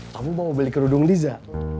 kamu mau beli kerudung liza